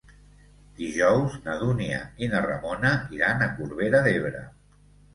Dijous na Dúnia i na Ramona iran a Corbera d'Ebre.